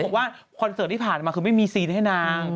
คอนเสิร์ตที่ผ่านมาคือไม่มีซีนให้นาง